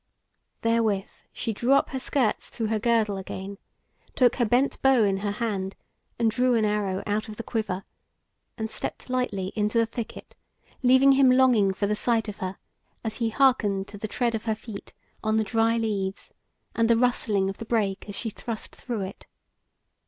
Therewith she drew up her skirts through her girdle again, took her bent bow in her hand, and drew an arrow out of the quiver, and stepped lightly into the thicket, leaving him longing for the sight of her, as he hearkened to the tread of her feet on the dry leaves, and the rustling of the brake as she thrust through it.